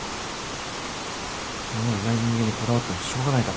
もういない人間にこだわってもしょうがないだろ。